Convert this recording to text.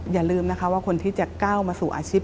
อย่าลืมนะคะว่าคนที่จะก้าวมาสู่อาชีพ